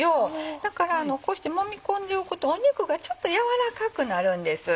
だからこうしてもみ込んでおくと肉がちょっと軟らかくなるんです。